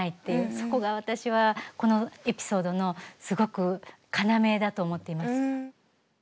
そこが私はこのエピソードのすごく要だと思っています。